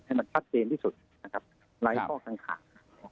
ให้มันชัดเตียรติสุดรายข้อคร่างข้าง